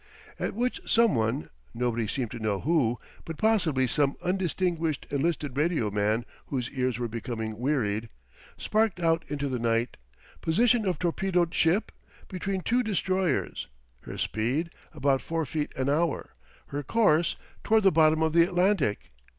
At which some one nobody seemed to know who, but possibly some undistinguished enlisted radio man whose ears were becoming wearied sparked out into the night: POSITION OF TORPEDOED SHIP? BETWEEN TWO DESTROYERS. HER SPEED? ABOUT FOUR FEET AN HOUR. HER COURSE? TOWARD THE BOTTOM OF THE ATLANTIC.